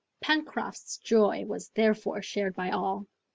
Pencroft's joy was therefore shared by all.